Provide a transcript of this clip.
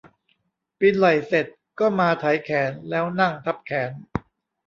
ปีนไหล่เสร็จก็มาไถแขนแล้วนั่งทับแขน